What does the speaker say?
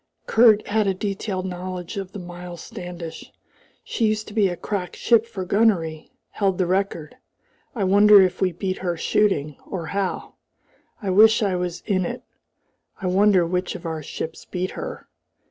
Kurt had a detailed knowledge of the Miles Standish. "She used to be a crack ship for gunnery held the record. I wonder if we beat her shooting, or how? I wish I was in it. I wonder which of our ships beat her.